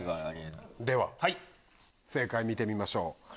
正解見てみましょう。